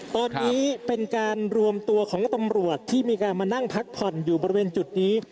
ตอนนี้เป็นการรวมตัวของตำรวจที่มีการมานั่งพักผ่อนอยู่บริเวณจุดนี้